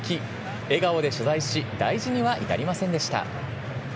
笑顔で謝罪し、大事には至りませんでした。